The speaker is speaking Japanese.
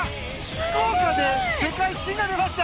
福岡で世界新が出ました！